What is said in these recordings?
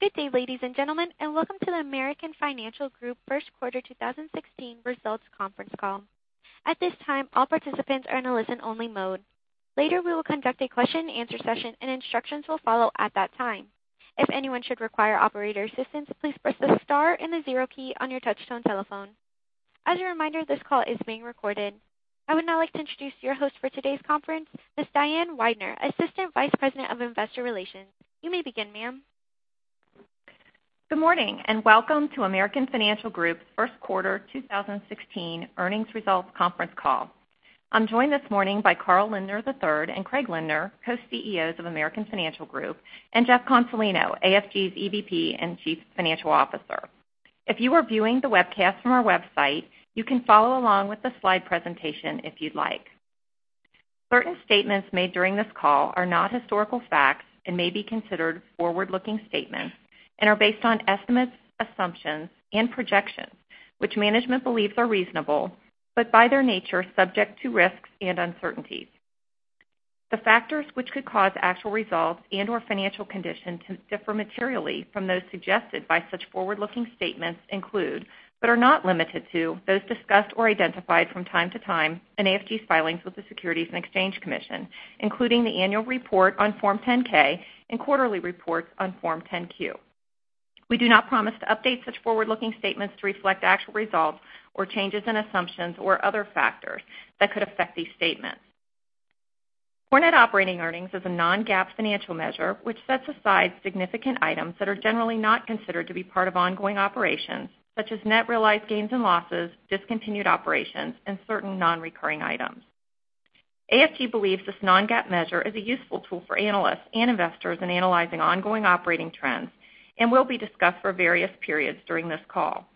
Good day, ladies and gentlemen, and welcome to the American Financial Group first quarter 2016 results conference call. At this time, all participants are in a listen-only mode. Later, we will conduct a question and answer session, and instructions will follow at that time. If anyone should require operator assistance, please press the star zero key on your touch-tone telephone. As a reminder, this call is being recorded. I would now like to introduce your host for today's conference, Ms. Diane Weidner, Assistant Vice President of Investor Relations. You may begin, ma'am. Good morning, and welcome toAmerican Financial Group's first quarter 2016 results conference call. I'm joined this morning by Carl Lindner III and Craig Lindner, Co-CEOs of American Financial Group, and Jeff Consolino, AFG's EVP and Chief Financial Officer. If you are viewing the webcast from our website, you can follow along with the slide presentation if you'd like. Certain statements made during this call are not historical facts and may be considered forward-looking statements and are based on estimates, assumptions, and projections, which management believes are reasonable, but by their nature, subject to risks and uncertainties. The factors which could cause actual results and/or financial condition to differ materially from those suggested by such forward-looking statements include, but are not limited to, those discussed or identified from time to time in AFG's filings with the Securities and Exchange Commission, including the annual report on Form 10-K and quarterly reports on Form 10-Q. We do not promise to update such forward-looking statements to reflect actual results or changes in assumptions or other factors that could affect these statements. Core net operating earnings is a non-GAAP financial measure which sets aside significant items that are generally not considered to be part of ongoing operations, such as net realized gains and losses, discontinued operations, and certain non-recurring items. AFG believes this non-GAAP measure is a useful tool for analysts and investors in analyzing ongoing operating trends and will be discussed for various periods during this call.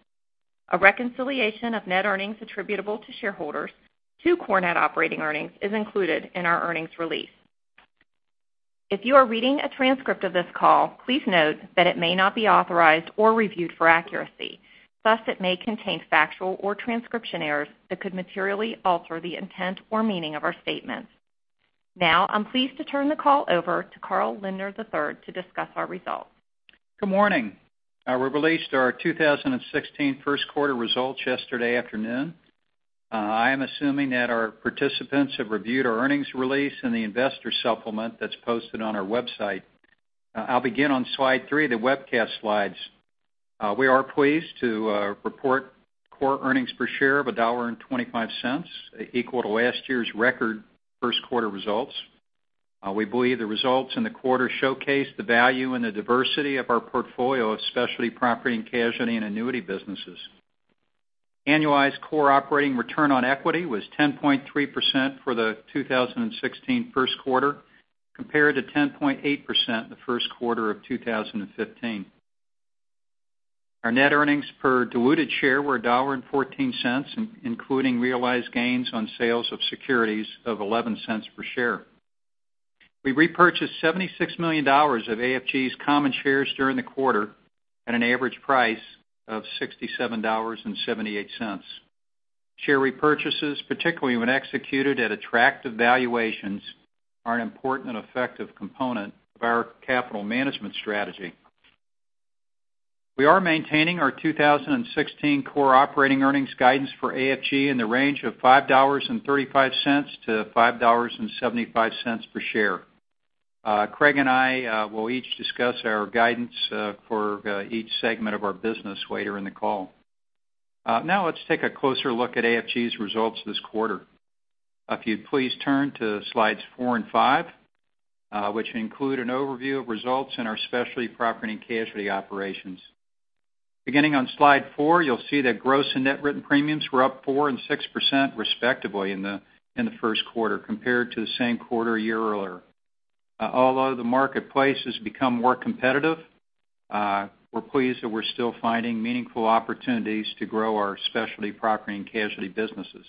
A reconciliation of net earnings attributable to shareholders to core net operating earnings is included in our earnings release. If you are reading a transcript of this call, please note that it may not be authorized or reviewed for accuracy. Thus, it may contain factual or transcription errors that could materially alter the intent or meaning of our statements. Now, I'm pleased to turn the call over to Carl Lindner III to discuss our results. Good morning. We released our 2016 first quarter results yesterday afternoon. I am assuming that our participants have reviewed our earnings release and the investor supplement that's posted on our website. I'll begin on slide three of the webcast slides. We are pleased to report core earnings per share of $1.25, equal to last year's record first quarter results. We believe the results in the quarter showcase the value and the diversity of our portfolio of specialty property, casualty, and annuity businesses. Annualized core operating return on equity was 10.3% for the 2016 first quarter compared to 10.8% the first quarter of 2015. Our net earnings per diluted share were $1.14, including realized gains on sales of securities of $0.11 per share. We repurchased $76 million of AFG's common shares during the quarter at an average price of $67.78. Share repurchases, particularly when executed at attractive valuations, are an important and effective component of our capital management strategy. We are maintaining our 2016 core operating earnings guidance for AFG in the range of $5.35-$5.75 per share. Craig and I will each discuss our guidance for each segment of our business later in the call. Let's take a closer look at AFG's results this quarter. If you'd please turn to slides four and five, which include an overview of results in our specialty property and casualty operations. Beginning on slide four, you'll see that gross and net written premiums were up 4% and 6% respectively in the first quarter compared to the same quarter a year earlier. Although the marketplace has become more competitive, we're pleased that we're still finding meaningful opportunities to grow our specialty property and casualty businesses.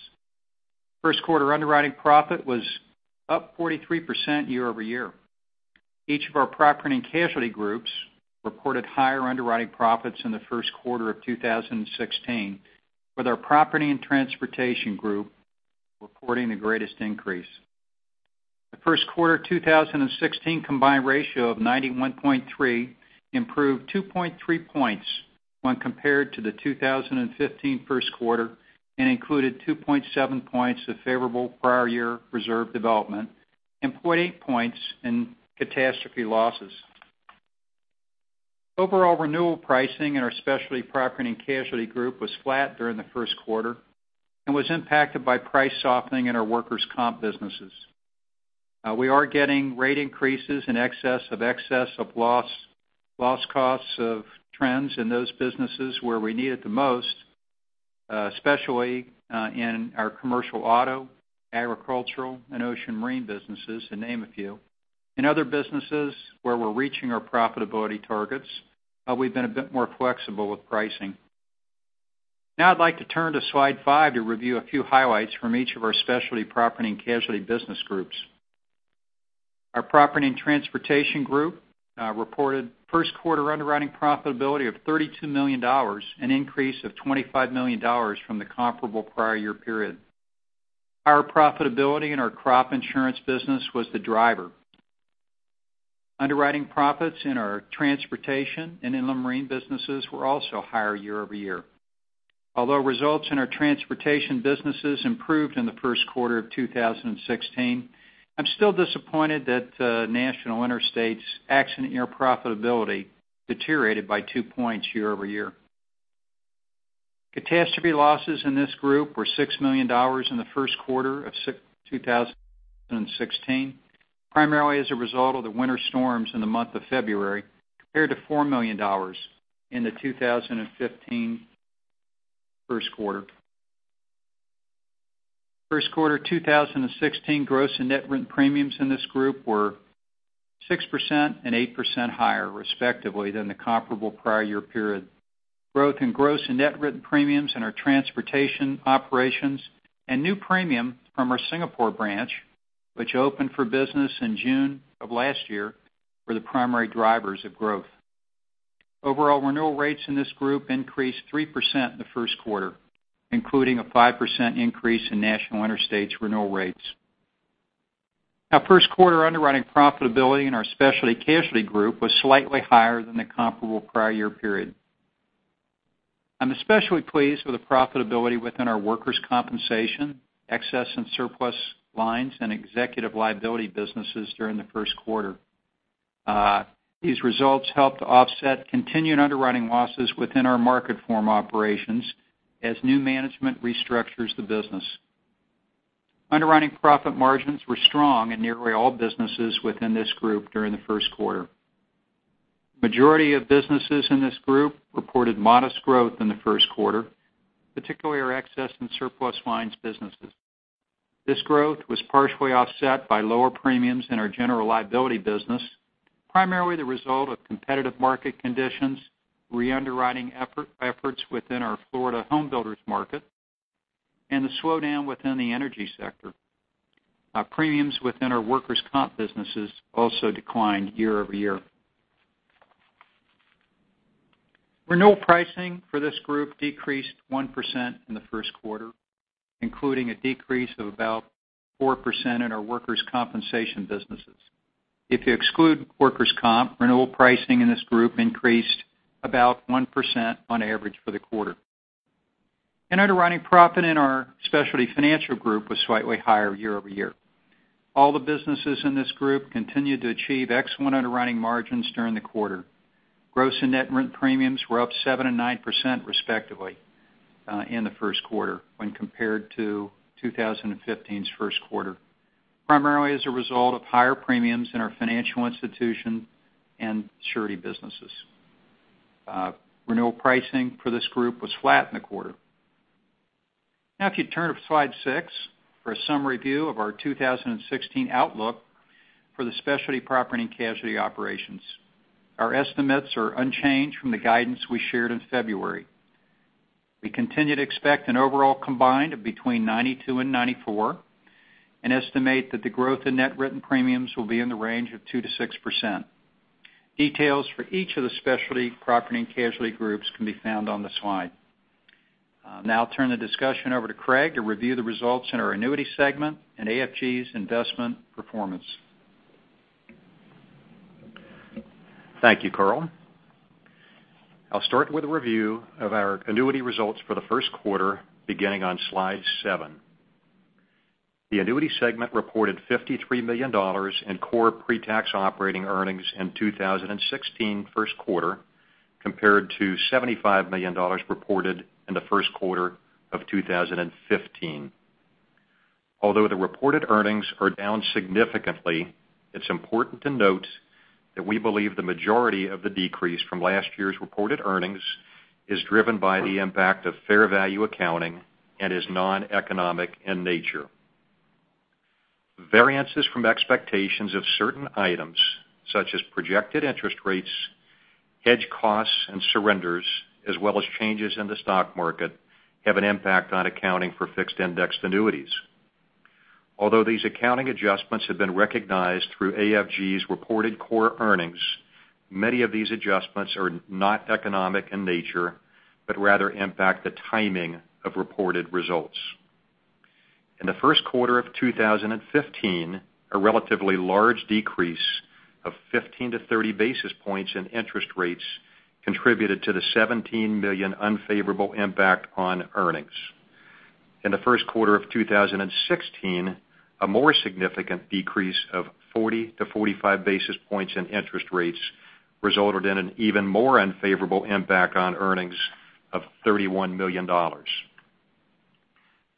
First quarter underwriting profit was up 43% year-over-year. Each of our property and casualty groups reported higher underwriting profits in the first quarter of 2016, with our Property and Transportation Group reporting the greatest increase. The first quarter 2016 combined ratio of 91.3% improved 2.3 points when compared to the 2015 first quarter and included 2.7 points of favorable prior year reserve development and 0.8 points in catastrophe losses. Overall renewal pricing in our specialty property and casualty group was flat during the first quarter and was impacted by price softening in our workers' comp businesses. We are getting rate increases in excess of loss costs of trends in those businesses where we need it the most, especially in our commercial auto, agricultural, and ocean marine businesses, to name a few. In other businesses where we're reaching our profitability targets, we've been a bit more flexible with pricing. I'd like to turn to slide five to review a few highlights from each of our specialty property and casualty business groups. Our Property and Transportation Group reported first quarter underwriting profitability of $32 million, an increase of $25 million from the comparable prior year period. Higher profitability in our crop insurance business was the driver. Underwriting profits in our transportation and inland marine businesses were also higher year-over-year. Although results in our transportation businesses improved in the first quarter of 2016, I'm still disappointed that National Interstate's accident year profitability deteriorated by 2 points year-over-year. Catastrophe losses in this group were $6 million in the first quarter of 2016, primarily as a result of the winter storms in the month of February, compared to $4 million in the 2015 first quarter. First quarter 2016 gross and net written premiums in this group were 6% and 8% higher, respectively, than the comparable prior year period. Growth in gross and net written premiums in our transportation operations and new premium from our Singapore branch, which opened for business in June of last year, were the primary drivers of growth. Overall renewal rates in this group increased 3% in the first quarter, including a 5% increase in National Interstate's renewal rates. Our first quarter underwriting profitability in our Specialty Casualty Group was slightly higher than the comparable prior year period. I'm especially pleased with the profitability within our workers' compensation, excess and surplus lines, and executive liability businesses during the first quarter. These results helped offset continuing underwriting losses within our Marketform operations as new management restructures the business. Underwriting profit margins were strong in nearly all businesses within this group during the first quarter. Majority of businesses in this group reported modest growth in the first quarter, particularly our excess and surplus lines businesses. This growth was partially offset by lower premiums in our general liability business, primarily the result of competitive market conditions, re-underwriting efforts within our Florida home builders market, and the slowdown within the energy sector. Our premiums within our workers' comp businesses also declined year-over-year. Renewal pricing for this group decreased 1% in the first quarter, including a decrease of about 4% in our workers' compensation businesses. If you exclude workers' comp, renewal pricing in this group increased about 1% on average for the quarter. Net underwriting profit in our Specialty Financial Group was slightly higher year-over-year. All the businesses in this group continued to achieve excellent underwriting margins during the quarter. Gross and net written premiums were up 7% and 9% respectively, in the first quarter when compared to 2015's first quarter, primarily as a result of higher premiums in our financial institution and surety businesses. Renewal pricing for this group was flat in the quarter. If you turn to slide six for a summary view of our 2016 outlook for the Specialty Property and Casualty operations. Our estimates are unchanged from the guidance we shared in February. We continue to expect an overall combined of between 92% and 94%, and estimate that the growth in net written premiums will be in the range of 2%-6%. Details for each of the Specialty Property and Casualty groups can be found on the slide. I'll turn the discussion over to Craig to review the results in our Annuity segment and AFG's investment performance. Thank you, Carl. I'll start with a review of our Annuity results for the first quarter beginning on slide seven. The Annuity segment reported $53 million in core pre-tax operating earnings in 2016 first quarter compared to $75 million reported in the first quarter of 2015. Although the reported earnings are down significantly, it's important to note that we believe the majority of the decrease from last year's reported earnings is driven by the impact of fair value accounting and is noneconomic in nature. Variances from expectations of certain items, such as projected interest rates, hedge costs, and surrenders, as well as changes in the stock market, have an impact on accounting for fixed indexed annuities. Although these accounting adjustments have been recognized through AFG's reported core earnings, many of these adjustments are not economic in nature, but rather impact the timing of reported results. In the first quarter of 2015, a relatively large decrease of 15-30 basis points in interest rates contributed to the $17 million unfavorable impact on earnings. In the first quarter of 2016, a more significant decrease of 40-45 basis points in interest rates resulted in an even more unfavorable impact on earnings of $31 million.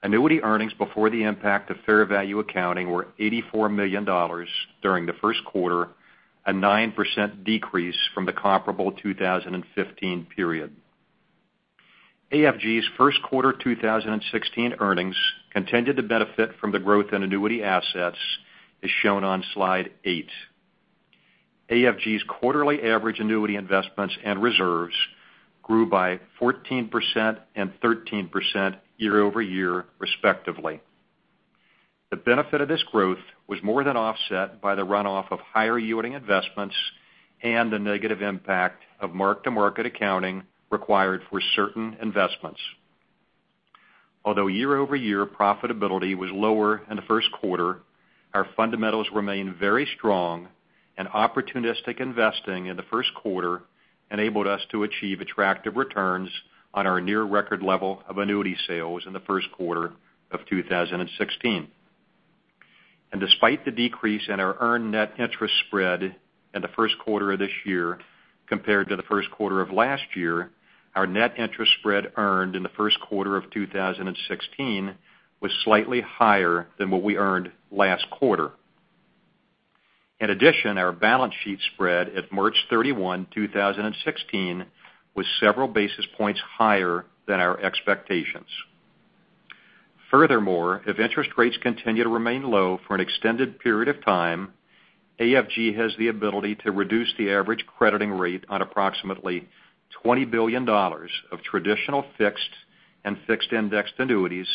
Annuity earnings before the impact of fair value accounting were $84 million during the first quarter, a 9% decrease from the comparable 2015 period. AFG's first quarter 2016 earnings continued to benefit from the growth in Annuity assets, as shown on slide eight. AFG's quarterly average Annuity investments and reserves grew by 14% and 13% year-over-year, respectively. The benefit of this growth was more than offset by the runoff of higher-yielding investments and the negative impact of mark-to-market accounting required for certain investments. Although year-over-year profitability was lower in the first quarter, our fundamentals remain very strong, and opportunistic investing in the first quarter enabled us to achieve attractive returns on our near record level of Annuity sales in the first quarter of 2016. Despite the decrease in our earned net interest spread in the first quarter of this year compared to the first quarter of last year, our net interest spread earned in the first quarter of 2016 was slightly higher than what we earned last quarter. In addition, our balance sheet spread at March 31, 2016, was several basis points higher than our expectations. Furthermore, if interest rates continue to remain low for an extended period of time, AFG has the ability to reduce the average crediting rate on approximately $20 billion of traditional fixed and fixed indexed annuities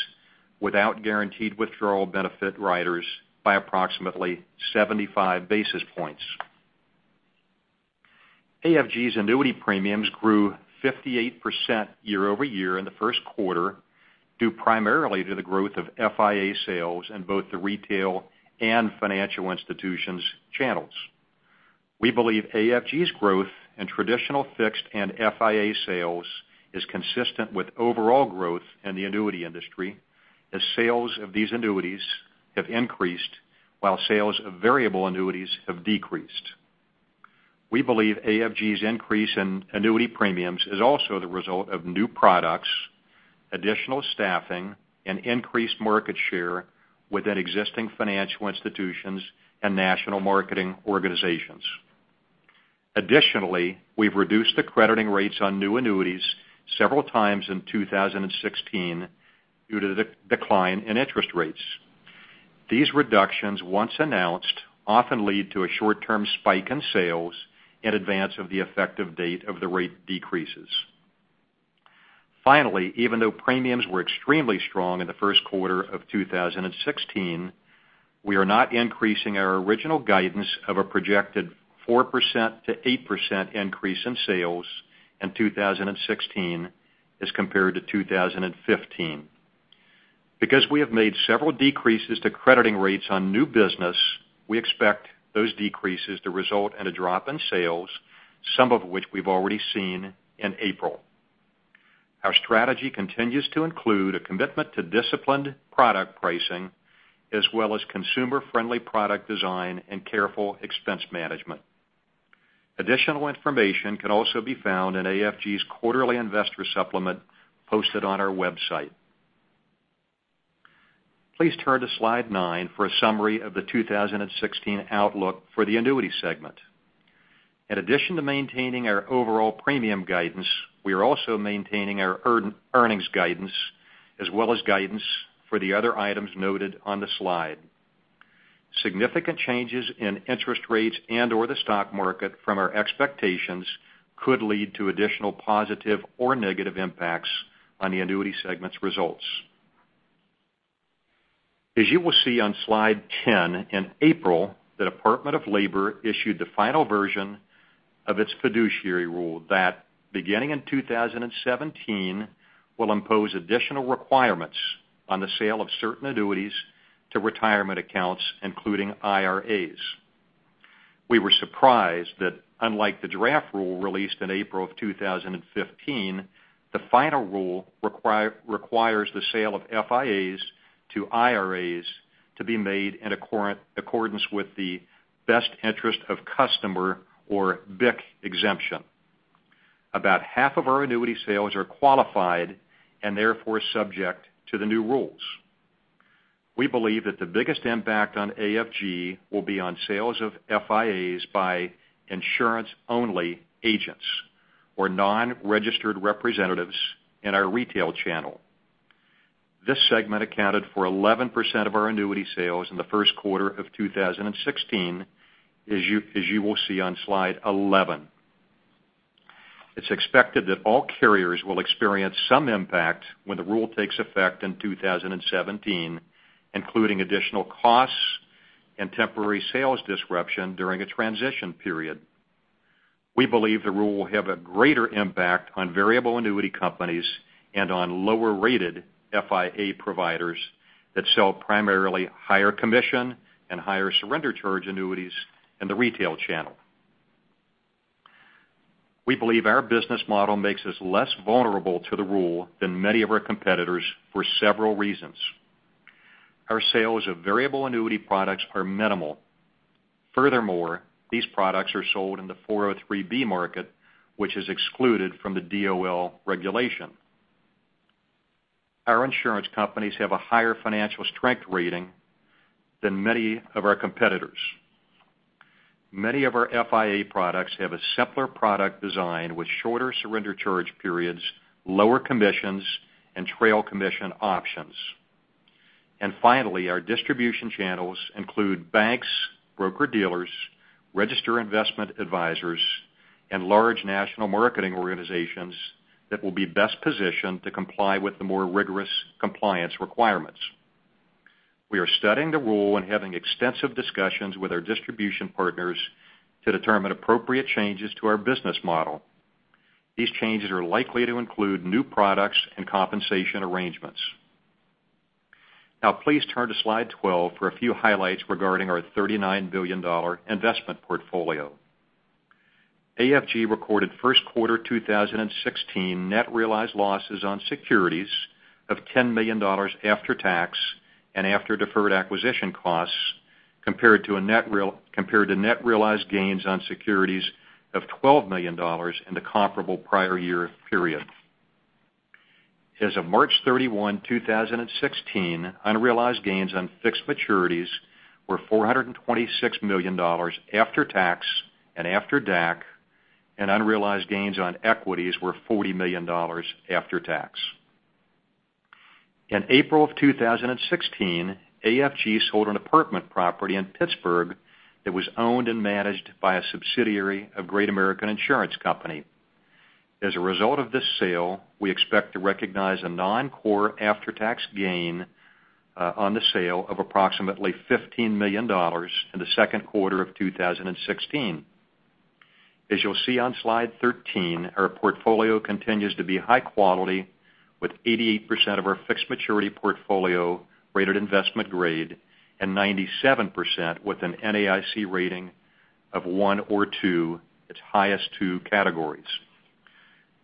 without guaranteed withdrawal benefit riders by approximately 75 basis points. AFG's Annuity premiums grew 58% year-over-year in the first quarter, due primarily to the growth of FIA sales in both the retail and financial institutions channels. We believe AFG's growth in traditional fixed and FIA sales is consistent with overall growth in the annuity industry, as sales of these annuities have increased while sales of variable annuities have decreased. We believe AFG's increase in Annuity premiums is also the result of new products, additional staffing, and increased market share within existing financial institutions and national marketing organizations. Additionally, we've reduced the crediting rates on new annuities several times in 2016 due to the decline in interest rates. These reductions, once announced, often lead to a short-term spike in sales in advance of the effective date of the rate decreases. Finally, even though premiums were extremely strong in the first quarter of 2016, we are not increasing our original guidance of a projected 4%-8% increase in sales in 2016 as compared to 2015. Because we have made several decreases to crediting rates on new business, we expect those decreases to result in a drop in sales, some of which we've already seen in April. Our strategy continues to include a commitment to disciplined product pricing, as well as consumer-friendly product design and careful expense management. Additional information can also be found in AFG's quarterly investor supplement posted on our website. Please turn to slide nine for a summary of the 2016 outlook for the annuity segment. In addition to maintaining our overall premium guidance, we are also maintaining our earnings guidance, as well as guidance for the other items noted on the slide. Significant changes in interest rates and/or the stock market from our expectations could lead to additional positive or negative impacts on the annuity segment's results. As you will see on slide 10, in April, the Department of Labor issued the final version of its fiduciary rule that, beginning in 2017, will impose additional requirements on the sale of certain annuities to retirement accounts, including IRAs. We were surprised that, unlike the draft rule released in April of 2015, the final rule requires the sale of FIAs to IRAs to be made in accordance with the Best Interest Contract Exemption, or BIC exemption. About half of our annuity sales are qualified and therefore subject to the new rules. We believe that the biggest impact on AFG will be on sales of FIAs by insurance-only agents or non-registered representatives in our retail channel. This segment accounted for 11% of our annuity sales in the first quarter of 2016, as you will see on slide 11. It's expected that all carriers will experience some impact when the rule takes effect in 2017, including additional costs and temporary sales disruption during a transition period. We believe the rule will have a greater impact on variable annuity companies and on lower-rated FIA providers that sell primarily higher commission and higher surrender charge annuities in the retail channel. We believe our business model makes us less vulnerable to the rule than many of our competitors for several reasons. Our sales of variable annuity products are minimal. Furthermore, these products are sold in the 403 market, which is excluded from the DOL regulation. Our insurance companies have a higher financial strength rating than many of our competitors. Many of our FIA products have a simpler product design with shorter surrender charge periods, lower commissions, and trail commission options. Finally, our distribution channels include banks, broker-dealers, registered investment advisors, and large national marketing organizations that will be best positioned to comply with the more rigorous compliance requirements. We are studying the rule and having extensive discussions with our distribution partners to determine appropriate changes to our business model. These changes are likely to include new products and compensation arrangements. Now please turn to slide 12 for a few highlights regarding our $39 billion investment portfolio. AFG recorded first quarter 2016 net realized losses on securities of $10 million after tax and after deferred acquisition costs compared to net realized gains on securities of $12 million in the comparable prior year period. As of March 31, 2016, unrealized gains on fixed maturities were $426 million after tax and after DAC, and unrealized gains on equities were $40 million after tax. In April of 2016, AFG sold an apartment property in Pittsburgh that was owned and managed by a subsidiary of Great American Insurance Company. As a result of this sale, we expect to recognize a non-core after-tax gain on the sale of approximately $15 million in the second quarter of 2016. As you'll see on slide 13, our portfolio continues to be high quality, with 88% of our fixed maturity portfolio rated investment-grade and 97% with an NAIC rating of one or two, its highest two categories.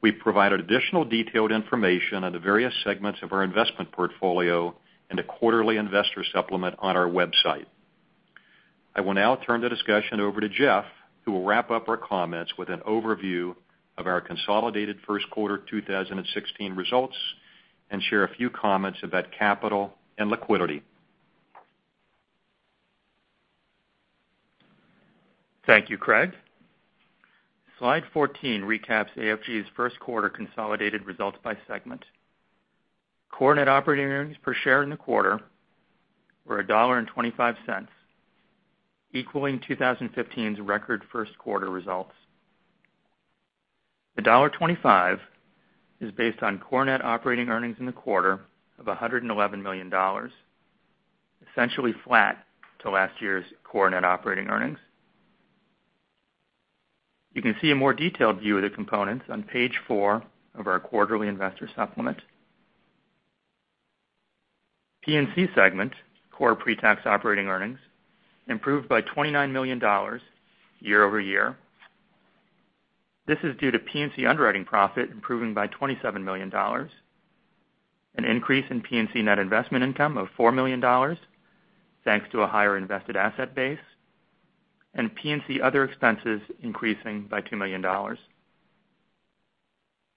We've provided additional detailed information on the various segments of our investment portfolio in the quarterly investor supplement on our website. I will now turn the discussion over to Jeff, who will wrap up our comments with an overview of our consolidated first quarter 2016 results and share a few comments about capital and liquidity. Thank you, Craig. Slide 14 recaps AFG's first quarter consolidated results by segment. Core net operating earnings per share in the quarter were $1.25, equaling 2015's record first quarter results. The $1.25 is based on core net operating earnings in the quarter of $111 million, essentially flat to last year's core net operating earnings. You can see a more detailed view of the components on page four of our quarterly investor supplement. P&C segment, core pre-tax operating earnings improved by $29 million year-over-year. This is due to P&C underwriting profit improving by $27 million, an increase in P&C net investment income of $4 million, thanks to a higher invested asset base, and P&C other expenses increasing by $2 million.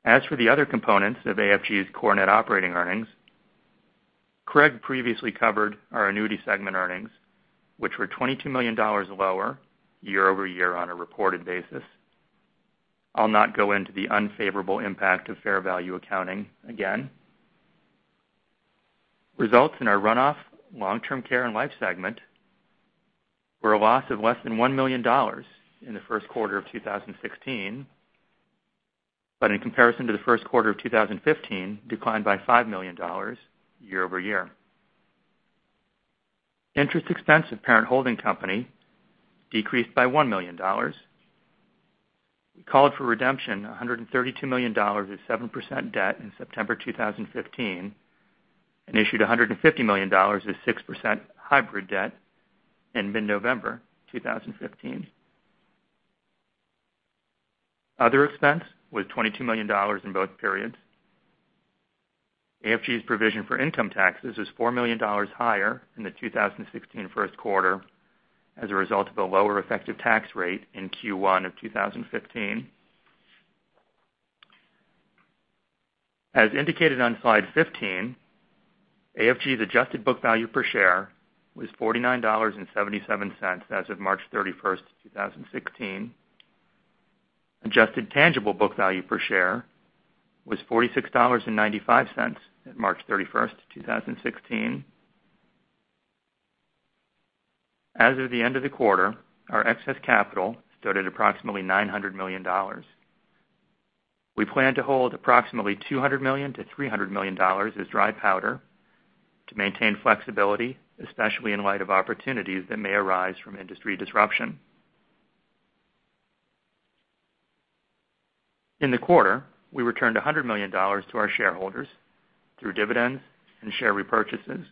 As for the other components of AFG's core net operating earnings, Craig previously covered our annuity segment earnings, which were $22 million lower year-over-year on a reported basis. I'll not go into the unfavorable impact of fair value accounting again. Results in our runoff long-term care and life segment were a loss of less than $1 million in the first quarter of 2016, but in comparison to the first quarter of 2015, declined by $5 million year-over-year. Interest expense of parent holding company decreased by $1 million. We called for redemption $132 million of 7% debt in September 2015 and issued $150 million of 6% hybrid debt in mid-November 2015. Other expense was $22 million in both periods. AFG's provision for income taxes was $4 million higher in the 2016 first quarter as a result of a lower effective tax rate in Q1 of 2015. As indicated on slide 15, AFG's adjusted book value per share was $49.77 as of March 31st, 2016. Adjusted tangible book value per share was $46.95 at March 31st, 2016. As of the end of the quarter, our excess capital stood at approximately $900 million. We plan to hold approximately $200 million-$300 million as dry powder to maintain flexibility, especially in light of opportunities that may arise from industry disruption. In the quarter, we returned $100 million to our shareholders through dividends and share repurchases.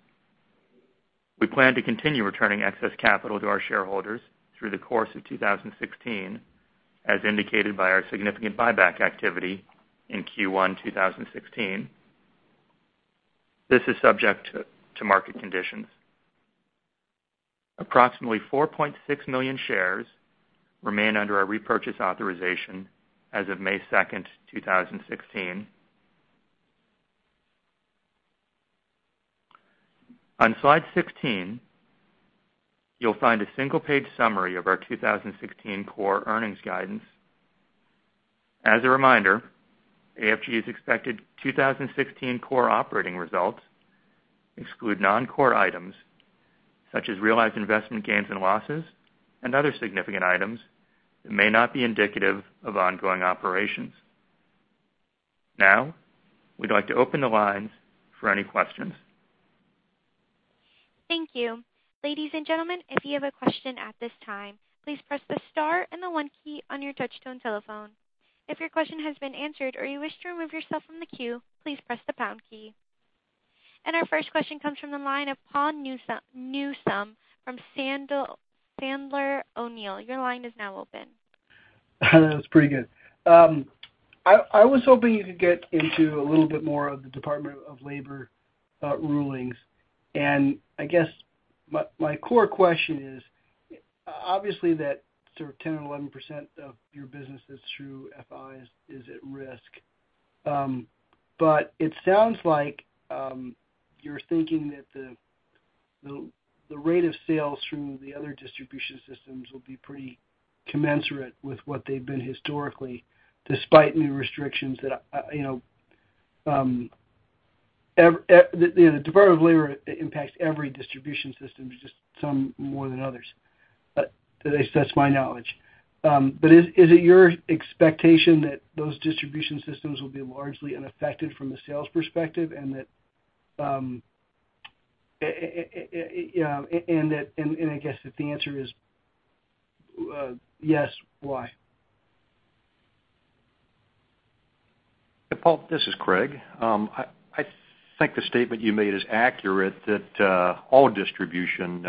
We plan to continue returning excess capital to our shareholders through the course of 2016, as indicated by our significant buyback activity in Q1 2016. This is subject to market conditions. Approximately 4.6 million shares remain under our repurchase authorization as of May 2nd, 2016. On slide 16, you'll find a single-page summary of our 2016 core earnings guidance. As a reminder, AFG's expected 2016 core operating results exclude non-core items such as realized investment gains and losses and other significant items that may not be indicative of ongoing operations. We'd like to open the lines for any questions. Thank you. Ladies and gentlemen, if you have a question at this time, please press the star and the one key on your touch-tone telephone. If your question has been answered or you wish to remove yourself from the queue, please press the pound key. Our first question comes from the line of Paul Newsome from Sandler O'Neill. Your line is now open. That was pretty good. I was hoping you could get into a little bit more of the Department of Labor rulings. I guess my core question is, obviously that sort of 10% or 11% of your business is through FIs is at risk. It sounds like you're thinking that the rate of sales through the other distribution systems will be pretty commensurate with what they've been historically, despite new restrictions that the Department of Labor impacts every distribution system, just some more than others. At least that's my knowledge. Is it your expectation that those distribution systems will be largely unaffected from a sales perspective and that, I guess if the answer is yes, why? Hey, Paul, this is Craig. I think the statement you made is accurate that all distribution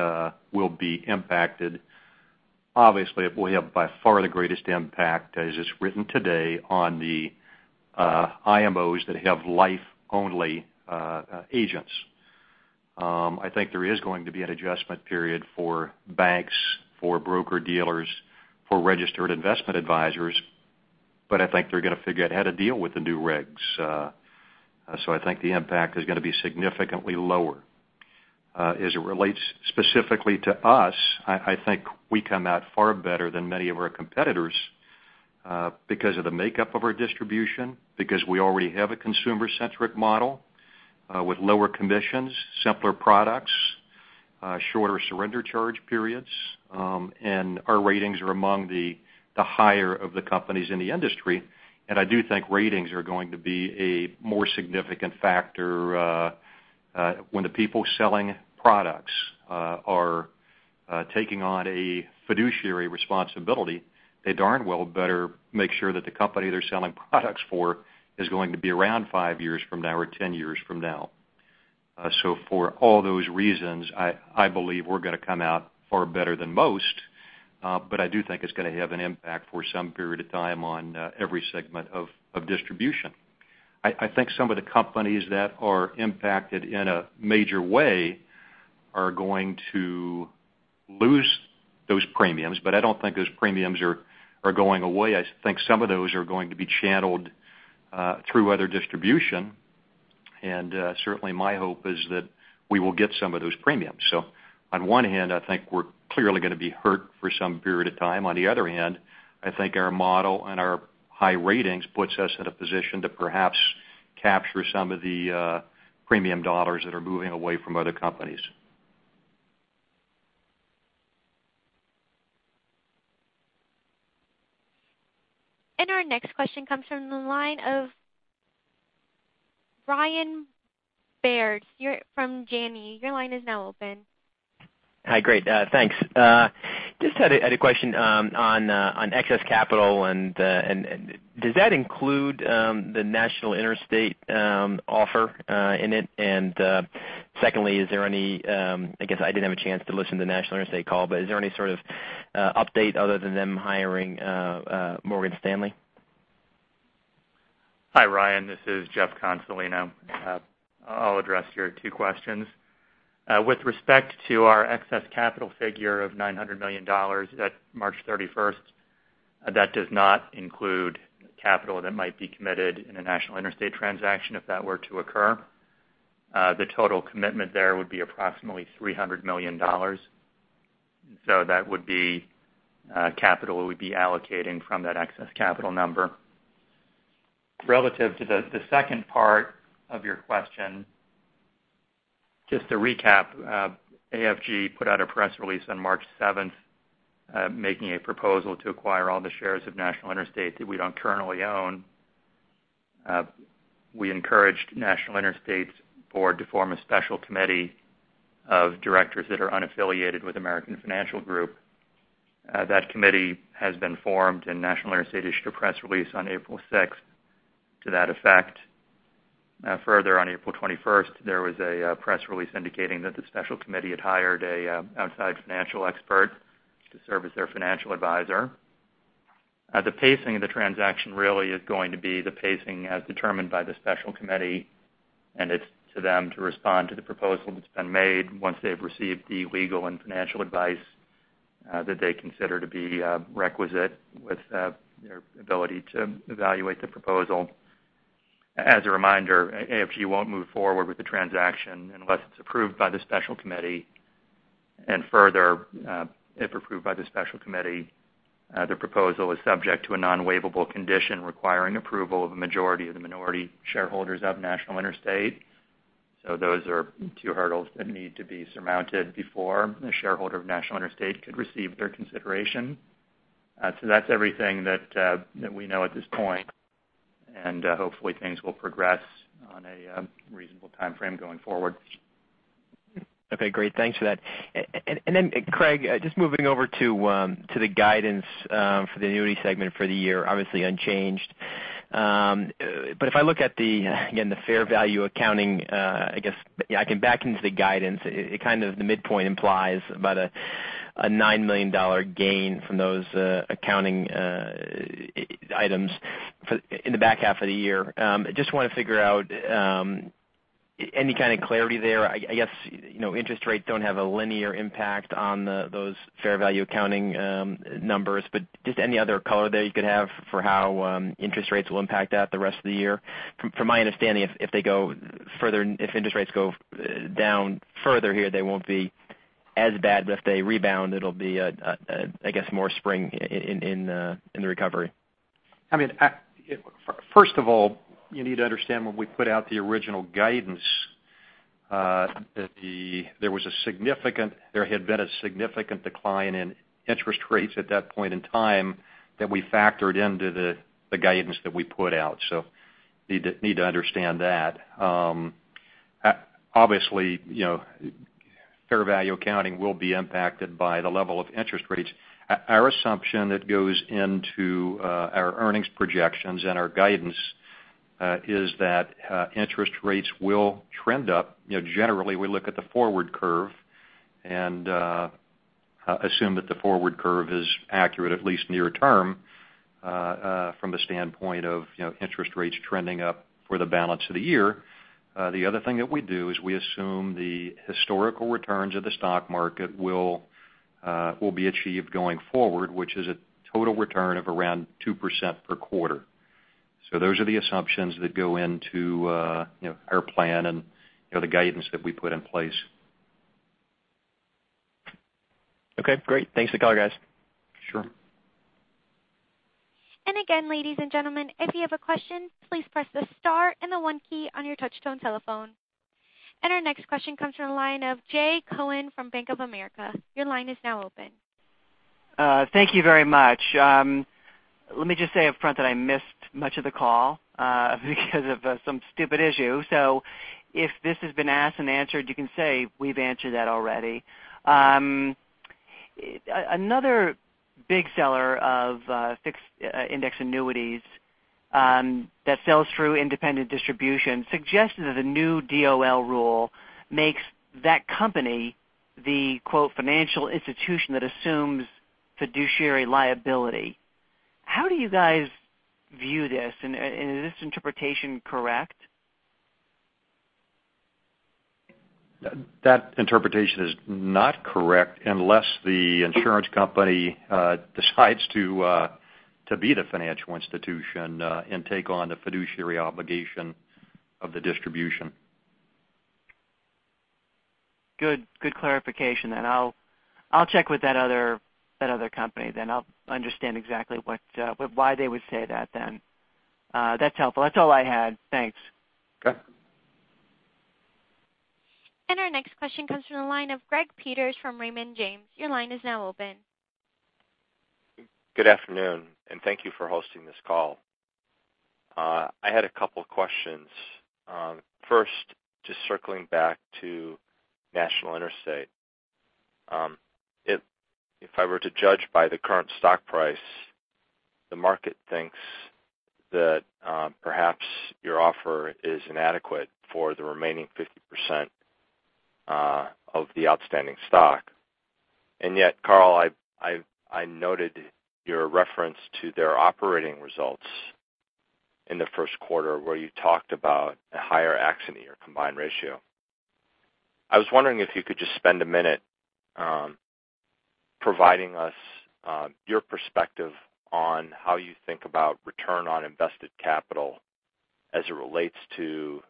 will be impacted. Obviously, it will have by far the greatest impact as it's written today on the IMOs that have life-only agents. I think there is going to be an adjustment period for banks, for broker-dealers, for registered investment advisors. I think they're going to figure out how to deal with the new regs. I think the impact is going to be significantly lower. As it relates specifically to us, I think we come out far better than many of our competitors, because of the makeup of our distribution, because we already have a consumer-centric model, with lower commissions, simpler products, shorter surrender charge periods. Our ratings are among the higher of the companies in the industry. I do think ratings are going to be a more significant factor, when the people selling products are taking on a fiduciary responsibility, they darn well better make sure that the company they're selling products for is going to be around five years from now or 10 years from now. For all those reasons, I believe we're going to come out far better than most. I do think it's going to have an impact for some period of time on every segment of distribution. I think some of the companies that are impacted in a major way are going to lose those premiums, but I don't think those premiums are going away. I think some of those are going to be channeled through other distribution. Certainly my hope is that we will get some of those premiums. On one hand, I think we're clearly going to be hurt for some period of time. On the other hand, I think our model and our high ratings puts us in a position to perhaps capture some of the premium dollars that are moving away from other companies. Our next question comes from the line of Ryan Baird from Janney. Your line is now open. Hi. Great, thanks. Just had a question on excess capital and does that include the National Interstate offer in it? Secondly, I guess I didn't have a chance to listen to National Interstate call, but is there any sort of update other than them hiring Morgan Stanley? Hi, Ryan. This is Jeff Consolino. I'll address your two questions. With respect to our excess capital figure of $900 million at March 31st, that does not include capital that might be committed in a National Interstate transaction, if that were to occur. The total commitment there would be approximately $300 million. That would be capital we'd be allocating from that excess capital number. Relative to the second part of your question, just to recap, AFG put out a press release on March 7th, making a proposal to acquire all the shares of National Interstate that we don't currently own. We encouraged National Interstate's board to form a special committee of directors that are unaffiliated with American Financial Group. That committee has been formed, and National Interstate issued a press release on April 6th to that effect. Further, on April 21st, there was a press release indicating that the special committee had hired an outside financial expert to serve as their financial advisor. The pacing of the transaction really is going to be the pacing as determined by the special committee, and it's to them to respond to the proposal that's been made once they've received the legal and financial advice that they consider to be requisite with their ability to evaluate the proposal. As a reminder, AFG won't move forward with the transaction unless it's approved by the special committee. Further, if approved by the special committee, the proposal is subject to a non-waivable condition requiring approval of a majority of the minority shareholders of National Interstate. Those are two hurdles that need to be surmounted before a shareholder of National Interstate could receive their consideration. That's everything that we know at this point, and hopefully things will progress on a reasonable timeframe going forward. Okay, great. Thanks for that. Craig, just moving over to the guidance for the annuity segment for the year, obviously unchanged. If I look at, again, the fair value accounting, I can back into the guidance. The midpoint implies about a $9 million gain from those accounting items in the back half of the year. Just want to figure out any kind of clarity there. I guess, interest rates don't have a linear impact on those fair value accounting numbers, just any other color there you could have for how interest rates will impact that the rest of the year? From my understanding, if interest rates go down further here, they won't be as bad, if they rebound, it'll be more spring in the recovery. First of all, you need to understand when we put out the original guidance, there had been a significant decline in interest rates at that point in time that we factored into the guidance that we put out. You need to understand that. Obviously, fair value accounting will be impacted by the level of interest rates. Our assumption that goes into our earnings projections and our guidance, is that interest rates will trend up. Generally, we look at the forward curve and assume that the forward curve is accurate, at least near-term, from the standpoint of interest rates trending up for the balance of the year. The other thing that we do is we assume the historical returns of the stock market will be achieved going forward, which is a total return of around 2% per quarter. Those are the assumptions that go into our plan and the guidance that we put in place. Okay, great. Thanks for the color, guys. Sure. Ladies and gentlemen, if you have a question, please press the star and the one key on your touch tone telephone. Our next question comes from the line of Jay Cohen from Bank of America. Your line is now open. Thank you very much. Let me just say up front that I missed much of the call because of some stupid issue. If this has been asked and answered, you can say, "We've answered that already." Another big seller of fixed indexed annuities that sells through independent distribution suggested that the new DOL rule makes that company the "financial institution that assumes fiduciary liability." How do you guys view this, and is this interpretation correct? That interpretation is not correct unless the insurance company decides to be the financial institution and take on the fiduciary obligation of the distribution. Good clarification. I'll check with that other company then. I'll understand exactly why they would say that then. That's helpful. That's all I had. Thanks. Okay. Our next question comes from the line of Greg Peters from Raymond James. Your line is now open. Good afternoon, and thank you for hosting this call. I had a couple questions. First, just circling back to National Interstate. If I were to judge by the current stock price, the market thinks that perhaps your offer is inadequate for the remaining 50% of the outstanding stock. Yet, Carl, I noted your reference to their operating results in the first quarter where you talked about a higher accident year combined ratio. I was wondering if you could just spend a minute providing us your perspective on how you think about return on invested capital as it relates to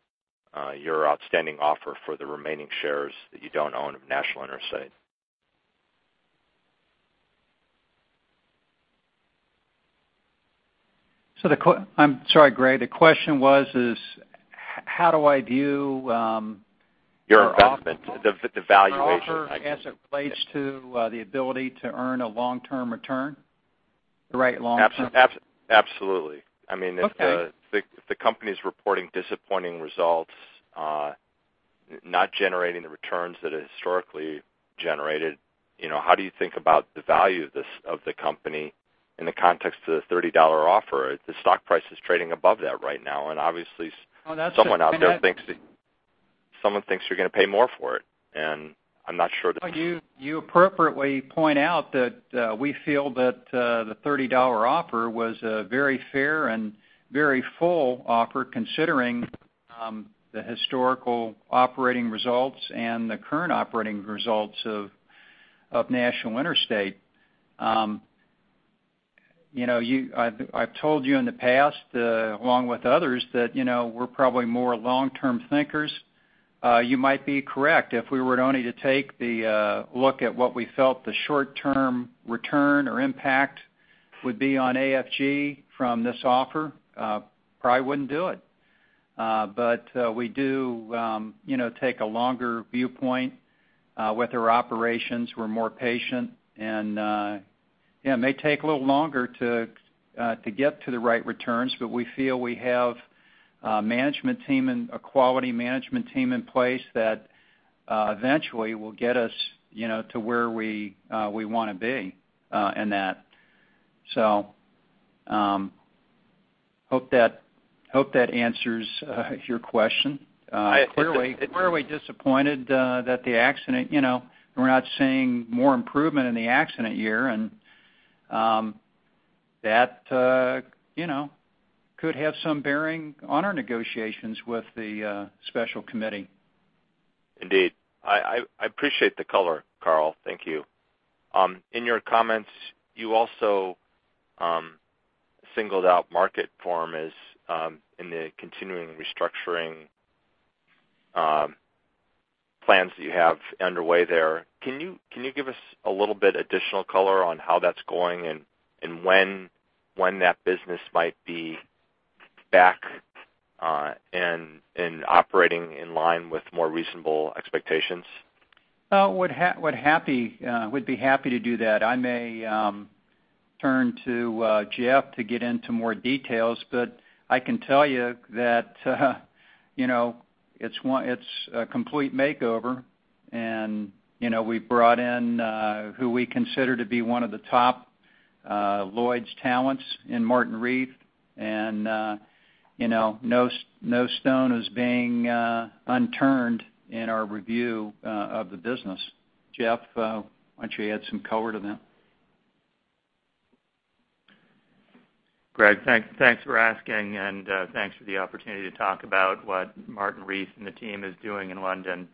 your outstanding offer for the remaining shares that you don't own of National Interstate. I'm sorry, Greg, the question was is how do I view- Your investment, the valuation- Our offer as it relates to the ability to earn a long-term return? The right long-term- Absolutely. Okay. If the company's reporting disappointing results, not generating the returns that it historically generated, how do you think about the value of the company in the context of the $30 offer? The stock price is trading above that right now, and obviously- Oh, that's a- Someone out there thinks you're going to pay more for it, and I'm not sure that- You appropriately point out that we feel that the $30 offer was a very fair and very full offer, considering the historical operating results and the current operating results of National Interstate. I've told you in the past, along with others, that we're probably more long-term thinkers. You might be correct. If we were only to take the look at what we felt the short-term return or impact Would be on AFG from this offer. We do take a longer viewpoint with our operations. We're more patient, and it may take a little longer to get to the right returns, but we feel we have a quality management team in place that eventually will get us to where we want to be in that. Hope that answers your question. Clearly disappointed that the accident, we're not seeing more improvement in the accident year, and that could have some bearing on our negotiations with the special committee. Indeed. I appreciate the color, Carl. Thank you. In your comments, you also singled out Marketform in the continuing restructuring plans that you have underway there. Can you give us a little bit additional color on how that's going and when that business might be back and operating in line with more reasonable expectations? Would be happy to do that. I may turn to Jeff to get into more details, I can tell you that it's a complete makeover. We've brought in who we consider to be one of the top Lloyd's talents in Martin Reith, and no stone is being unturned in our review of the business. Jeff, why don't you add some color to that? Greg, thanks for asking, and thanks for the opportunity to talk about what Martin Reith and the team is doing in London.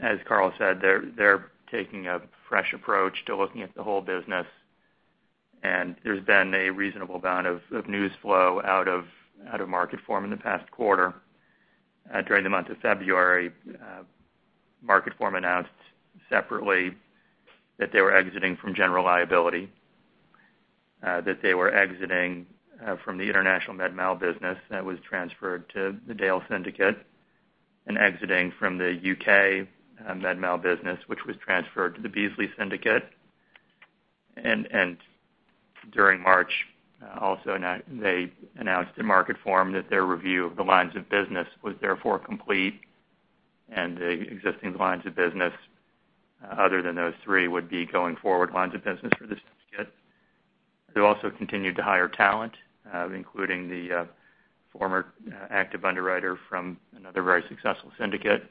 As Carl said, they're taking a fresh approach to looking at the whole business, and there's been a reasonable amount of news flow out of Marketform in the past quarter. During the month of February, Marketform announced separately that they were exiting from general liability, that they were exiting from the international med mal business that was transferred to The Dale Syndicate, and exiting from the U.K. med mal business, which was transferred to the Beazley Syndicate. During March, also, they announced at Marketform that their review of the lines of business was therefore complete, and the existing lines of business, other than those three, would be going forward lines of business for the syndicate. They also continued to hire talent, including the former active underwriter from another very successful syndicate,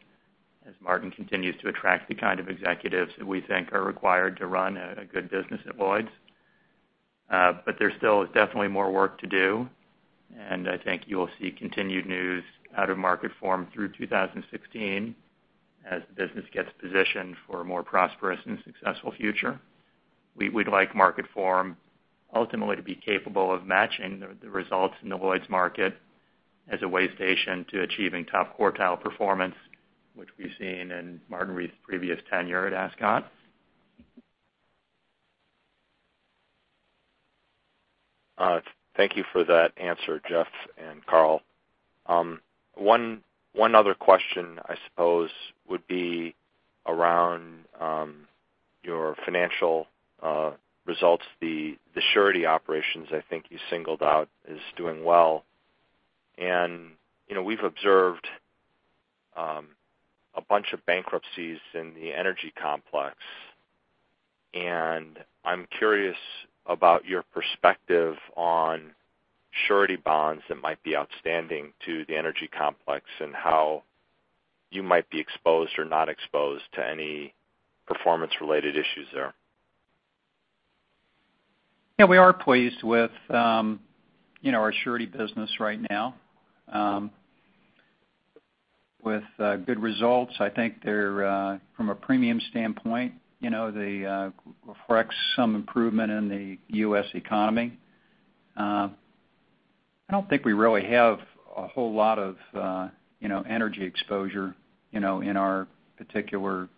as Martin continues to attract the kind of executives that we think are required to run a good business at Lloyd's. There's still definitely more work to do, and I think you'll see continued news out of Marketform through 2016 as the business gets positioned for a more prosperous and successful future. We'd like Marketform ultimately to be capable of matching the results in the Lloyd's market as a way station to achieving top quartile performance, which we've seen in Martin Reith's previous tenure at Ascot. Thank you for that answer, Jeff and Carl. One other question, I suppose, would be around your financial results. The surety operations I think you singled out is doing well. We've observed a bunch of bankruptcies in the energy complex. I'm curious about your perspective on surety bonds that might be outstanding to the energy complex, and how you might be exposed or not exposed to any performance related issues there. Yeah, we are pleased with our surety business right now. With good results. I think from a premium standpoint, they reflect some improvement in the U.S. economy. I don't think we really have a whole lot of energy exposure in our particular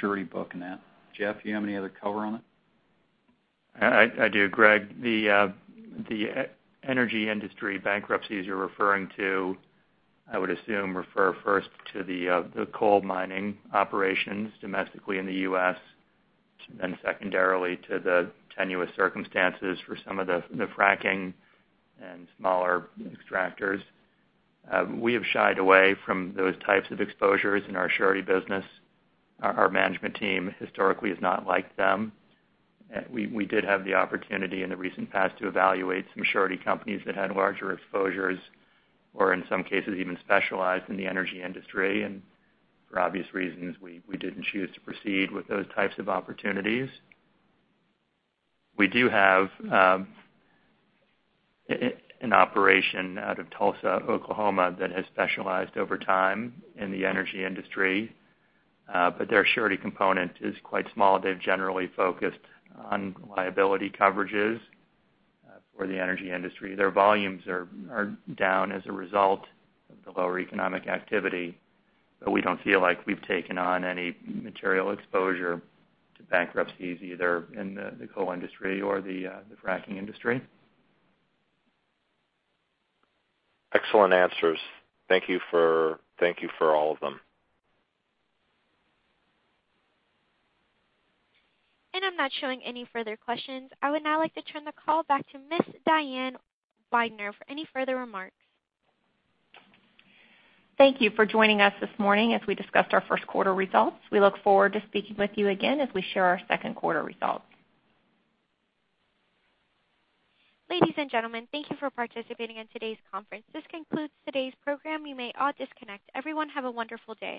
surety book in that. Jeff, do you have any other color on it? I do, Greg. The energy industry bankruptcies you're referring to, I would assume refer first to the coal mining operations domestically in the U.S., then secondarily to the tenuous circumstances for some of the fracking and smaller extractors. We have shied away from those types of exposures in our surety business. Our management team historically has not liked them. We did have the opportunity in the recent past to evaluate some surety companies that had larger exposures or in some cases, even specialized in the energy industry. For obvious reasons, we didn't choose to proceed with those types of opportunities. We do have an operation out of Tulsa, Oklahoma, that has specialized over time in the energy industry. Their surety component is quite small. They've generally focused on liability coverages for the energy industry. Their volumes are down as a result of the lower economic activity. We don't feel like we've taken on any material exposure to bankruptcies, either in the coal industry or the fracking industry. Excellent answers. Thank you for all of them. I'm not showing any further questions. I would now like to turn the call back to Ms. Diane Weidner for any further remarks. Thank you for joining us this morning as we discussed our first quarter results. We look forward to speaking with you again as we share our second quarter results. Ladies and gentlemen, thank you for participating in today's conference. This concludes today's program. You may all disconnect. Everyone, have a wonderful day.